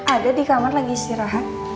ada di kamar lagi istirahat